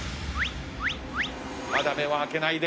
まだ目は開けないで。